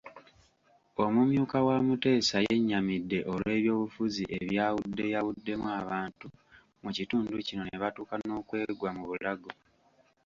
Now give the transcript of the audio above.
Omumyuka wa Muteesa yennyamidde olw'ebyobufuzi ebiyawuddeyawuddemu abantu mu kitundu kino nebatuuka n'okwegwa mu bulago.